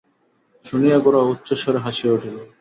শুনিয়া গোরা উচ্চৈঃস্বরে হাসিয়া উঠিল।